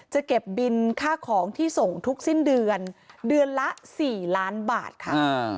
จะเก็บบินค่าของที่ส่งทุกสิ้นเดือนเดือนละ๔ล้านบาทค่ะ